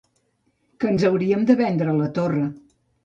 - Que ens hauríem de vendre la torra.